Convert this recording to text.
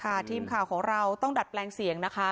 ทีมข่าวของเราต้องดัดแปลงเสียงนะคะ